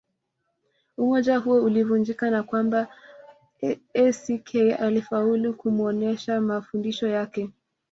Umoja huo ulivunjika na kwamba Eck alifaulu kumuonesha mafundisho yake